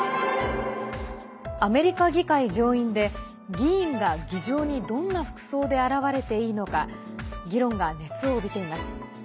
アメリカ議会上院で議員が議場にどんな服装で現れていいのか議論が熱を帯びています。